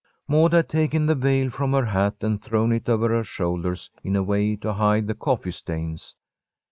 Maud had taken the veil from her hat and thrown it over her shoulders in a way to hide the coffee stains.